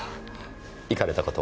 行かれた事は？